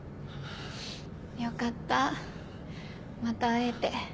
よかったまた会えて。